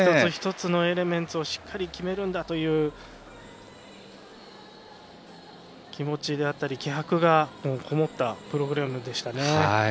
一つ一つのエレメンツをしっかり決めるという気持ちや気迫がこもったプログラムでした。